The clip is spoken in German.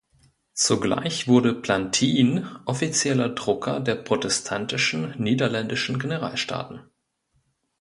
Zugleich wurde Plantin offizieller Drucker der protestantischen niederländischen Generalstaaten.